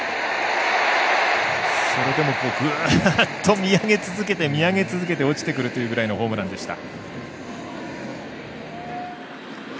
それでもぐーっと見上げ続けて落ちてくるというぐらいのホームランでした。